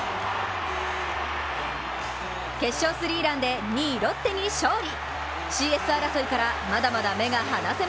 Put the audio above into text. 決勝スリーランで２位ロッテに勝利。